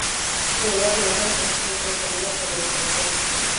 En la Edad Media, la concepción se determina por la ideología cristiana.